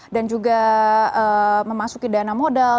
dan juga memasuki dana modal